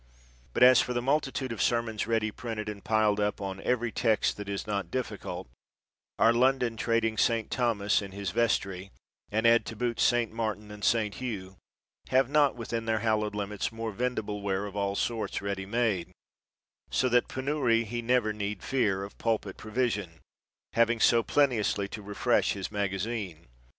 But as for the multitude of sermons ready printed and piled up, on every text that is not difficult, our London trading St. Thomas in his vestry, and add to boot St. Martin and St, Hugh, have not within their hallowed limits more vendible ware of all sorts ready made: so that penury he never need fear of pulpit provision, having where so plenteously to refresh his magazine.